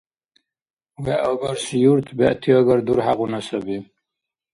ВегӀ агарси юрт бегӀтиагар дурхӀягъуна саби.